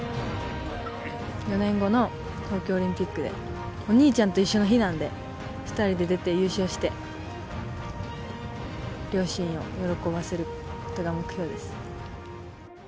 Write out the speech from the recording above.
４年後の東京オリンピックで、お兄ちゃんと一緒の日なんで、２人で出て優勝して、両親を喜ばせることが目標です。